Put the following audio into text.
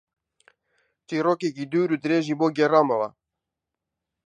چیرۆکێکی دوور و درێژی بۆ گێڕامەوە.